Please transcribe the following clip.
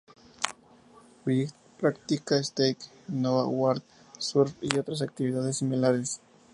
Wright practica skate, snowboard, surf y otras actividades similares.